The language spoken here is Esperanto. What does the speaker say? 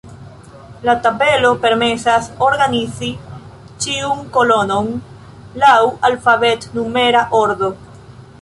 La tabelo permesas organizi ĉiun kolonon laŭ alfabet-numera ordo.